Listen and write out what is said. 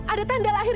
ada tanda lahir